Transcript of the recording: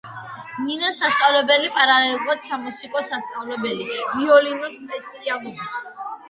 ნინოს სასწავლებელი, პარალელურად სამუსიკო სასწავლებელი ვიოლინოს სპეციალობით.